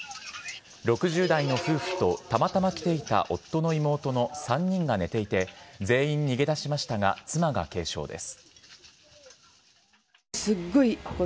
６０代の夫婦とたまたま来ていた夫の妹の３人が寝ていて全員逃げ出しましたが妻が軽傷です。